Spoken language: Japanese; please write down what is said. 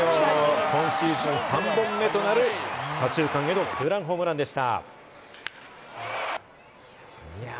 今シーズン３本目となる左中間へのツーランホームランでした。